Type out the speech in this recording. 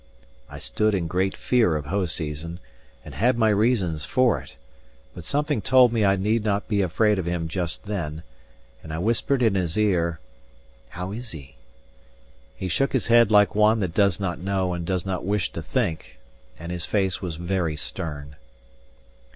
I stood in great fear of Hoseason, and had my reasons for it; but something told me I need not be afraid of him just then; and I whispered in his ear: "How is he?" He shook his head like one that does not know and does not wish to think, and his face was very stern.